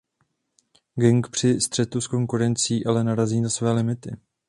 Gang při střetu s konkurencí ale narazí na své limity.